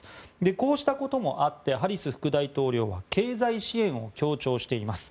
こうしたこともあってハリス副大統領は経済支援を強調しています。